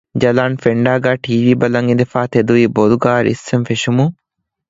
ޖަލާން ފެންޑާގައި ޓީވީ ބަލަން އިނދެފައި ތެދުވީ ބޮލުގައި ރިއްސަން ފެށުމުން